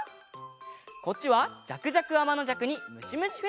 こっちは「じゃくじゃくあまのじゃく」に「むしむしフェスティバル」。